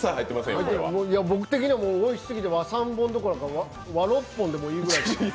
僕的にはおいしすぎて和三盆どころか和ろっぽんでもいいくらいです。